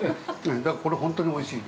だから、これ本当においしい。